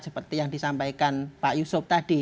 seperti yang disampaikan pak yusuf tadi